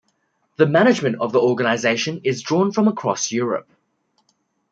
The management of the organisation is drawn from across Europe.